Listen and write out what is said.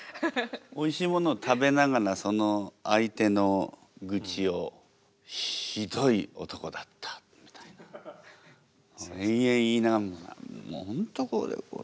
おいしいものを食べながらその相手の愚痴を「ひどい男だった」みたいな延々言いながらもう本当こうで。